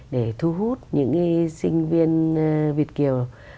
để thu hút những cái sinh viên việt kiều